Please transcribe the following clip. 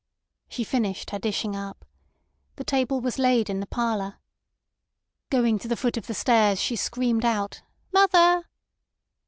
She finished her dishing up. The table was laid in the parlour. Going to the foot of the stairs, she screamed out "Mother!"